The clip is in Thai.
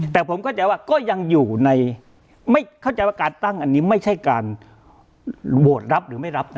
แต่ผมเข้าใจว่าก็ยังอยู่ในไม่เข้าใจว่าการตั้งอันนี้ไม่ใช่การโหวตรับหรือไม่รับนะ